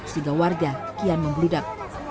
sehingga warga kian membulidak